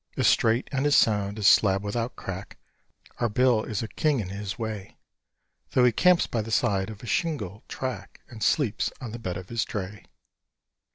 As straight and as sound as a slab without crack, Our Bill is a king in his way; Though he camps by the side of a shingle track, And sleeps on the bed of his dray.